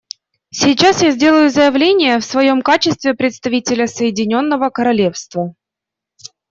Сейчас я сделаю заявление в своем качестве представителя Соединенного Королевства.